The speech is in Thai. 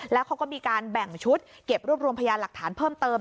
แล้วเขาก็มีการแบ่งชุดเก็บรวบรวมพยานหลักฐานเพิ่มเติม